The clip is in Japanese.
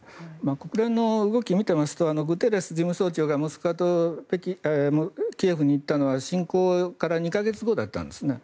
国連の動きを見ていますとグテーレス事務局長がモスクワとキーウに行ったのは侵攻から２か月後だったんですね。